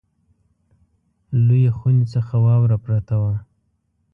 لویې خونې څخه واوره پرته وه.